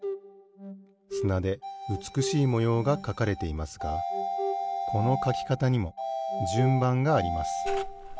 すなでうつくしいもようがかかれていますがこのかきかたにもじゅんばんがあります。